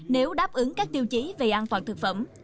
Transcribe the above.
nếu đáp ứng các tiêu chí về an toàn thực phẩm